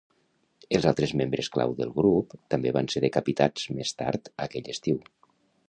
Els altres membres clau del grup també van ser decapitats més tard aquell estiu.